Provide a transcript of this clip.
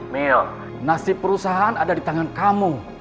mil nasib perusahaan ada di tangan kamu